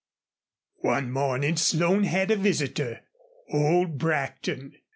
One morning Slone had a visitor old Brackton.